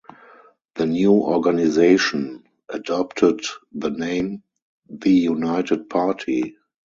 The new organisation adopted the name "the United Party".